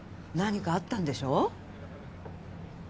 何かあったんでしょう？